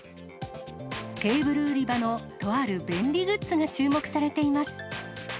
ケーブル売り場のとある便利グッズが注目されています。